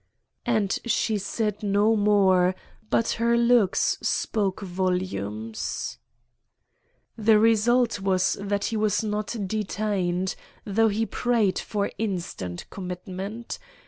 And she said no more, but her looks spoke volumes. The result was that he was not detained, though he prayed for instant commitment.